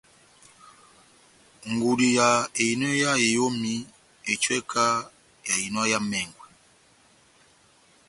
Ngudi ya ehinɔ ya eyomi ehitiwɛ kahá yá ehinɔ yá emɛngwɛ